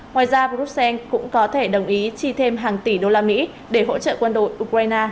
ngoài ra bruxelles cũng có thể đồng ý chi thêm hàng tỷ đô la mỹ để hỗ trợ quân đội ukraine